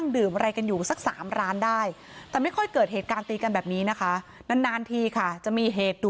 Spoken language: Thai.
เดือดขนาดนี้